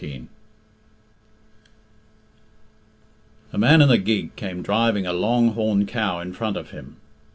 XIII. A man in a gig came driving a long horned cow in front of him.